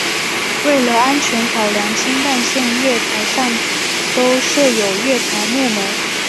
为了安全考量新干线月台上都设有月台幕门。